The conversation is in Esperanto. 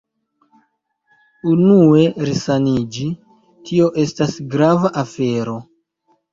Unue resaniĝi, tio estas grava afero.